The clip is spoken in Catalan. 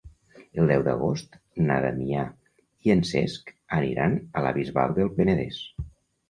El deu d'agost na Damià i en Cesc aniran a la Bisbal del Penedès.